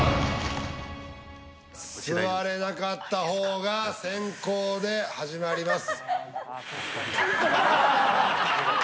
座れなかったほうが先攻で始まります。